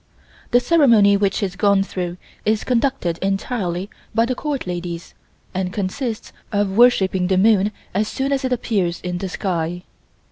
The ceremony which is gone through is conducted entirely by the Court ladies and consists of worshiping the moon as soon as it appears in the sky.